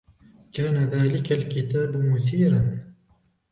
كان ذلك الكتاب مثيراً.